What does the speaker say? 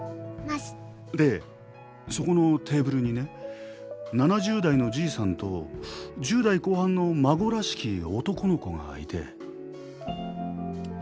でそこのテーブルにね７０代のじいさんと１０代後半の孫らしき男の子がいて。